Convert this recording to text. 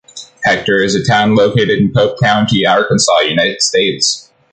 Hector is a town located in Pope County, Arkansas, United States.